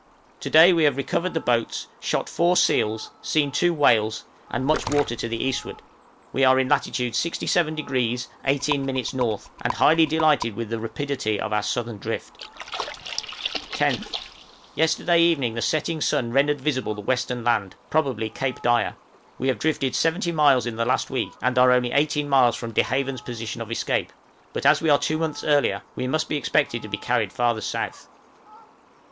To day we have recovered the boats, shot four seals, seen two whales, and much water to the eastward; we are in latitude 67° 18' N., and highly delighted with the rapidity of our southern drift. {OUT OF THE PACK.} 10th. Yesterday evening the setting sun rendered visible the western land, probably Cape Dyer. We have drifted 70 miles in the last week, and are only 18 miles from De Haven's position of escape; but as we are two months earlier, we must expect to be carried farther south.